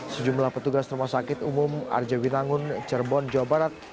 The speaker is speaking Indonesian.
sejumlah petugas rumah sakit umum arjawinangun cirebon jawa barat